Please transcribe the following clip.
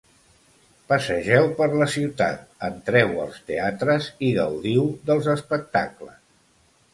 Passegeu per la ciutat, entreu als teatres i gaudiu dels espectacles!